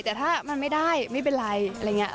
แต่ถ้ามันไม่ได้ไม่เป็นไรอะไรอย่างนี้